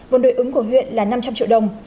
vốn đối ứng của huyện là năm trăm linh triệu đồng